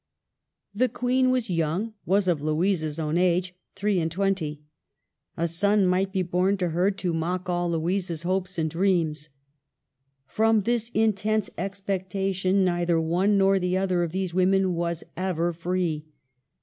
The Queen was young, was of Louisa's own age, three and twenty. A son might be born to her to mock all Louisa's hopes and dreams. From this intense expectation neither one nor the other of these women was ever free.